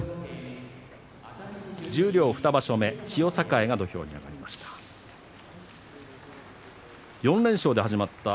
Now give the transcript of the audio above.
十両２場所目、千代栄が土俵に上がりました。